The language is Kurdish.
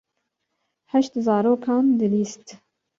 Heşt zarokan dilîst.